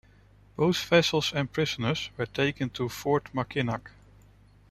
Both vessels and prisoners were taken to Fort Mackinac.